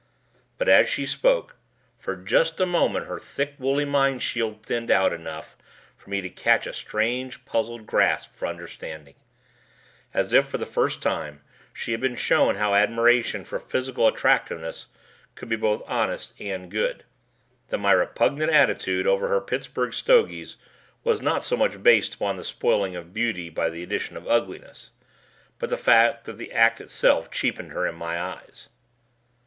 But as she spoke, for just a moment her thick woolly mind shield thinned out enough for me to catch a strange, puzzled grasp for understanding. As if for the first time she had been shown how admiration for physical attractiveness could be both honest and good. That my repugnant attitude over her Pittsburgh stogies was not so much based upon the spoiling of beauty by the addition of ugliness, but the fact that the act itself cheapened her in my eyes.